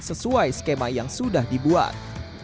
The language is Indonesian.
sesuai skema yang sudah dibuat